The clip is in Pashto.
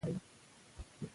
دا شرکت نوښت رامنځته کوي.